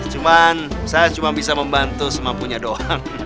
cuman saya cuma bisa membantu semampunya doa